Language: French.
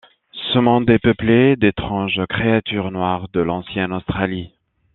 Ce monde est peuplé d'étranges créatures noires de l'ancienne Australie.